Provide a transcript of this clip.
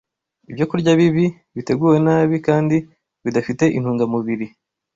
Ibyokurya bibi, biteguwe nabi, kandi bidafite intungamubiri